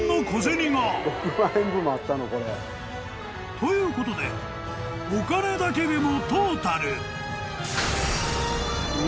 ［ということでお金だけでも］